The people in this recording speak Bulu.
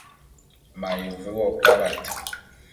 M’aye ve wo kabat.